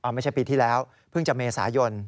ไม่ใช่ปีที่แล้วเพิ่งจะเมษายน